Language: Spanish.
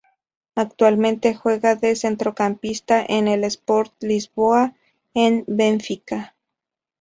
Actualmente juega de centrocampista en el Sport Lisboa e Benfica.